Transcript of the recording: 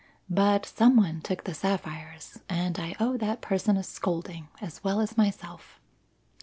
"But some one took the sapphires, and I owe that person a scolding, as well as myself.